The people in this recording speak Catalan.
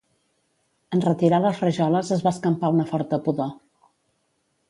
En retirar les rajoles es va escampar una forta pudor.